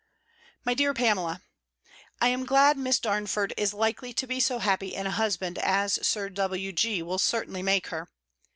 _ MY DEAR PAMELA, I am glad Miss Darnford is likely to be so happy in a husband, as Sir W.G. will certainly make her.